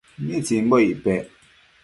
¿mitsimbo icpec